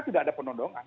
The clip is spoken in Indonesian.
tidak ada penodongan